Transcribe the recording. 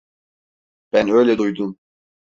Ben öyle duydum.